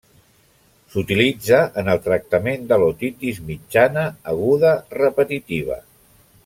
S'utilitza en el tractament de l'otitis mitjana aguda repetitiva.